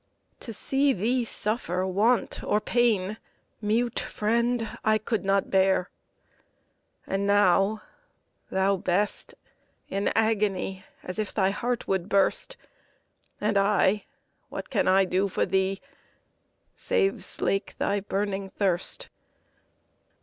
To see thee suffer want or pain, Mute friend I could not bear; And now, thou best in agony, As if thy heart would burst, And I, what can I do for thee, Save slake thy burning thirst?